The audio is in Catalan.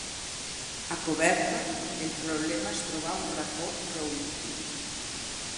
A coberta el problema és trobar un racó prou íntim.